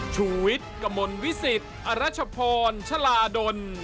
ชุวิตกมลวิสิตอรัชพรชลาดล